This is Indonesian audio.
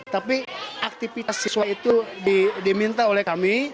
tapi aktivitas siswa itu diminta oleh kami